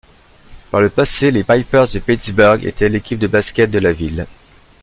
Par le passé, les Pipers de Pittsburgh étaient l'équipe de basket de la ville.